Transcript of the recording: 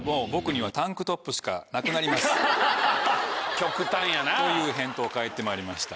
極端やな。という返答返ってまいりました。